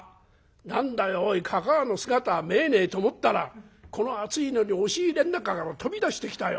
何だよおいかかあの姿見えねえと思ったらこの暑いのに押し入れの中から飛び出してきたよ。